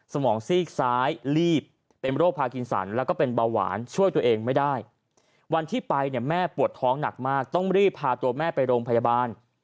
สมองซีกซ้ายลีบเป็นโรคพากินสันแล้วก็เป็นเบาหวานช่วยตัวเองไม่ได้วันที่ไปเนี่ยแม่ปวดท้องหนักมากต้องรีบพาตัวแม่ไปโรงพยาบาล